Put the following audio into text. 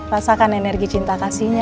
rasakan energi cinta kasihnya